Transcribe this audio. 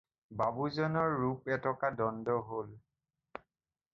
বাবুজনৰ ৰূপ এটকা দণ্ড হ'ল।